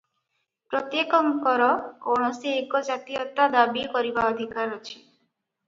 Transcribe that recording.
ପ୍ରତ୍ୟେକଙ୍କର କୌଣସି ଏକ ଜାତୀୟତା ଦାବୀ କରିବା ଅଧିକାର ଅଛି ।